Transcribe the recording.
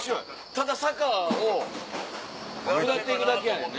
ただ坂を下っていくだけやねんね。